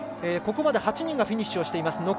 ここまで８人がフィニッシュしています。